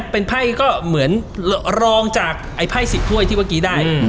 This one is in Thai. เป็นไพ่ก็เหมือนรองจากไอ้ไพ่๑๐ถ้วยที่เมื่อกี้ได้